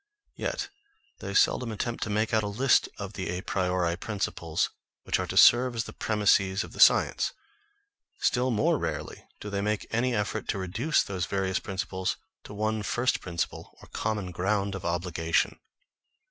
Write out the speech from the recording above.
Yet they seldom attempt to make out a list of the a priori principles which are to serve as the premises of the science; still more rarely do they make any effort to reduce those various principles to one first principle, or common ground of obligation.